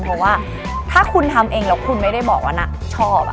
เพราะว่าถ้าคุณทำเองแล้วคุณไม่ได้บอกว่าน่าชอบ